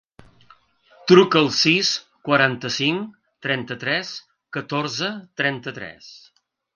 Truca al sis, quaranta-cinc, trenta-tres, catorze, trenta-tres.